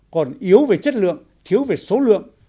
còn yếu về chất lượng thiếu về số lượng